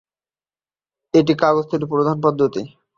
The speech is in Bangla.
এটি কাগজ তৈরির প্রধান পদ্ধতি।